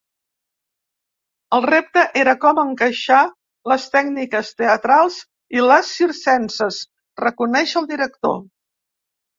El repte era com encaixar les tècniques teatrals i les circenses, reconeix el director.